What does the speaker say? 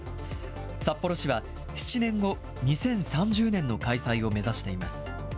札幌市は７年後、２０３０年の開催を目指しています。